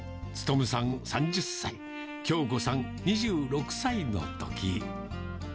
務さん３０歳、京子さん２６歳のとき。